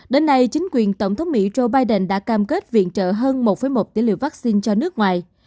đến nay chính quyền tổng thống mỹ joe biden đã cam kết viện trợ hơn một một tỷ liều vaccine cho nước ngoài